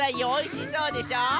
おいしそうでしょ？